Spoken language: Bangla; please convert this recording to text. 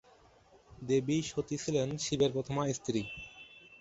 দেবী সতী ছিলেন শিবের প্রথমা স্ত্রী।